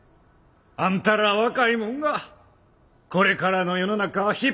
あんたら若いもんがこれからの世の中引っ張っていくんや。